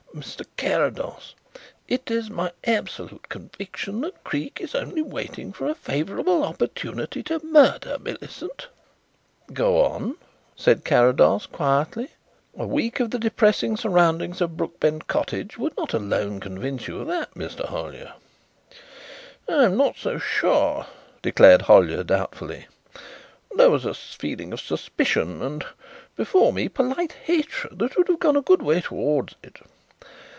"Mr. Carrados, it is my absolute conviction that Creake is only waiting for a favourable opportunity to murder Millicent." "Go on," said Carrados quietly. "A week of the depressing surroundings of Brookbend Cottage would not alone convince you of that, Mr. Hollyer." "I am not so sure," declared Hollyer doubtfully. "There was a feeling of suspicion and before me polite hatred that would have gone a good way towards it.